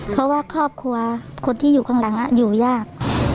เพราะว่าครอบครัวคนที่อยู่ข้างหลังอยู่ยาก